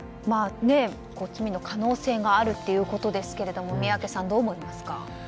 罪の可能性があるということですが宮家さん、どう思いますか。